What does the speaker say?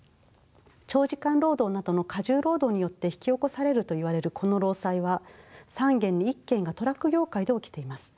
長時間労働などの過重労働によって引き起こされるといわれるこの労災は３件に１件がトラック業界で起きています。